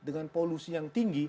dengan polusi yang tinggi